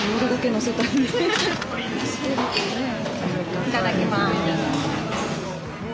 いただきます。